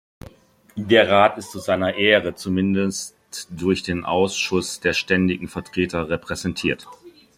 Der Rat ist zu seiner Ehre zumindest durch den Ausschuss der ständigen Vertreter repräsentiert.